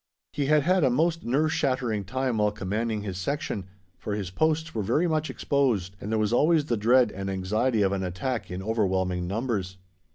He had had a most nerve shattering time while commanding his section; for his posts were very much exposed and there was always the dread and anxiety of an attack in overwhelming numbers.